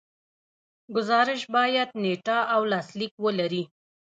ګزارش باید نیټه او لاسلیک ولري.